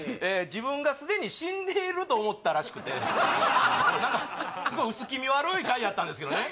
自分がすでに死んでいると思ったらしくて何かすごい薄気味悪い回やったんですけどね